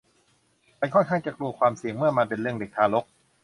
ฉันค่อนข้างจะกลัวความเสี่ยงเมื่อมันเป็นเรื่องเด็กทารก